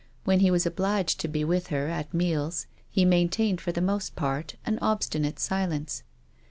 When he was obliged to be with her at meals he maintained for the most part an obstinate silence.